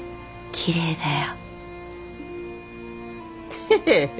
きれいだよ。